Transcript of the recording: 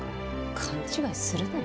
勘違いするなよ。